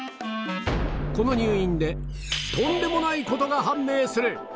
この入院で、とんでもないことが判明する！